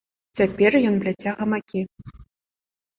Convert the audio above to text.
Цяпер ён пляце гамакі.